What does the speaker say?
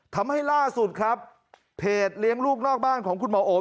ทำให้ล่าสุดครับเพจเลี้ยงลูกนอกบ้านของคุณหมอโอม